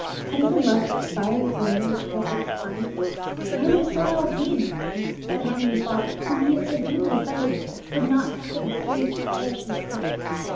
Had he been left to expire in that arena which it had been a crime to enter, where would his soul now have been! But the heavenly Father, whom he had so deeply offended, would not suffer the sinner to perish in his sin.